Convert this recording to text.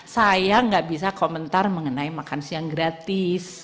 saya nggak bisa komentar mengenai makan siang gratis